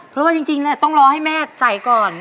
เพราะว่าจริงต้องรอให้แม่ใส่ก่อน